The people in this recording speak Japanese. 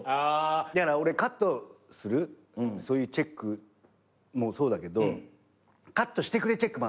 俺カットするそういうチェックもそうだけどカットしてくれチェックもあるんすよね。